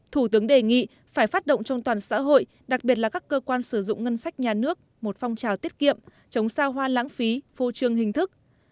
thủ tướng đề nghị phải phát động trong toàn xã hội đặc biệt là các cơ quan sử dụng ngân sách nhà nước một phong trào tiết kiệm chống sao hoa lãng phí phô trương hình thức